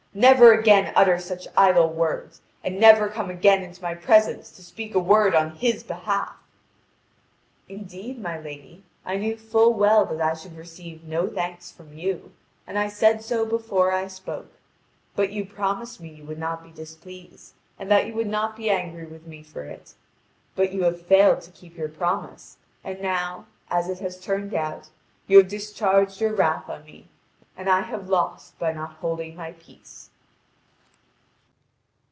Never again utter such idle words, and never come again into my presence to speak a word on his behalf!" "Indeed, my lady, I knew full well that I should receive no thanks from you, and I said so before I spoke. But you promised me you would not be displeased, and that you would not be angry with me for it. But you have failed to keep your promise, and now, as it has turned out, you have discharged your wrath on me, and I have lost by not holding my peace."